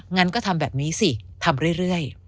งั้นก็ทำแบบนี้สิทำเรื่อย